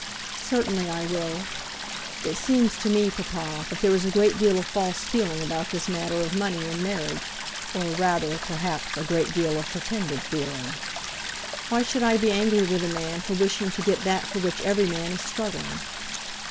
"Certainly I will. It seems to me, papa, that there is a great deal of false feeling about this matter of money in marriage, or rather, perhaps, a great deal of pretended feeling. Why should I be angry with a man for wishing to get that for which every man is struggling?